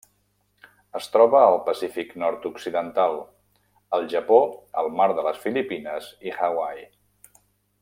Es troba al Pacífic nord-occidental: el Japó, el mar de les Filipines i Hawaii.